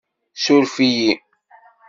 Surf-iyi